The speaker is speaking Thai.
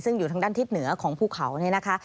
ซึ่งอยู่ทางด้านทิศเหนือของภูเขาเนี่ยนะคะ